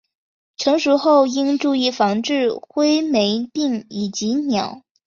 成熟后应注意防治灰霉病以及鸟。